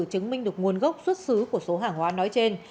chứng minh được nguồn gốc xuất xứ của số hàng hóa nói trên